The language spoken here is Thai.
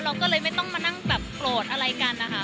เราก็เลยไม่ต้องมานั่งแบบโกรธอะไรกันนะคะ